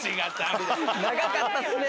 長かったっすね。